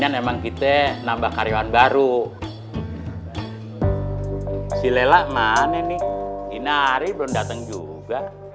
kemungkinan emang kita nambah karyawan baru si lela mane nih ini hari belum datang juga